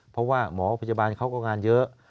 เพราะว่าหมอพยาบาลเขาก็งานเยอะ